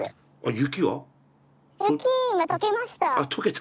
雪解けました。